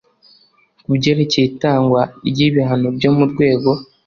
Ku byerekeye itangwa ry ibihano byo mu rwego